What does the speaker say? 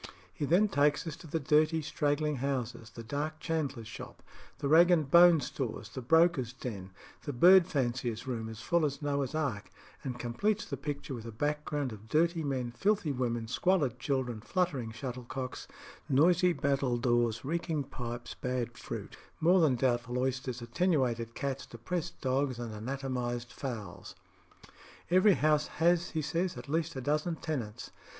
He then takes us to the dirty straggling houses, the dark chandler's shop, the rag and bone stores, the broker's den, the bird fancier's room as full as Noah's ark, and completes the picture with a background of dirty men, filthy women, squalid children, fluttering shuttlecocks, noisy battledores, reeking pipes, bad fruit, more than doubtful oysters, attenuated cats, depressed dogs, and anatomised fowls. Every house has, he says, at least a dozen tenants.